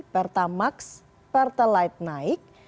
pertamaks pertalite naik